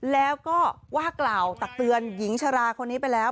แล้วก็ว่ากล่าวตักเตือนหญิงชราคนนี้ไปแล้ว